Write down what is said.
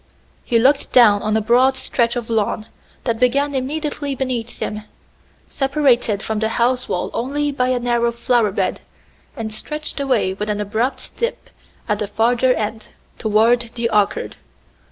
He looked down on a broad stretch of lawn that began immediately beneath him, separated from the house wall only by a narrow flower bed, and stretched away with an abrupt dip at the farther end, toward the orchard.